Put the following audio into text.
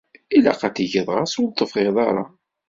Ilaq ad t-tgeḍ ɣas ur tebɣiḍ ara.